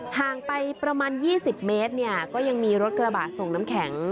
ห่างไปประมาณ๒๐เมตรเนี่ยก็ยังมีรถกระบะส่งน้ำแข็ง